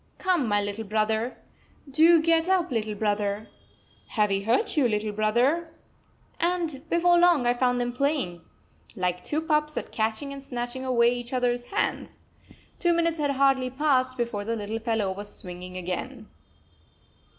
"Come, my little brother! Do get up, little brother! Have we hurt you, little brother?" And before long I found them playing, like two pups, at catching and snatching away each other's hands! Two minutes had hardly passed before the little fellow was swinging again.